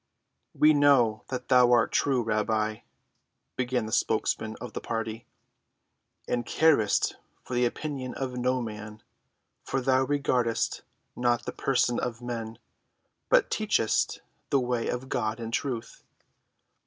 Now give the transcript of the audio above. "We know that thou art true, Rabbi," began the spokesman of the party, "and carest for the opinion of no man; for thou regardest not the person of men, but teachest the way of God in truth.